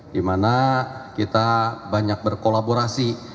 dimana kita banyak berkolaborasi